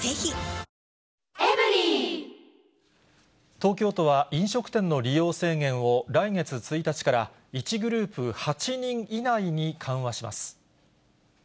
東京都は、飲食店の利用制限を来月１日から１グループ８人以内に緩和します。